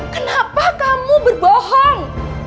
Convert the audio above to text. kenapa kamu berbohong